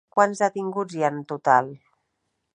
Quants detinguts hi ha en total?